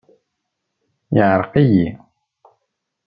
Yeɛreq-iyi.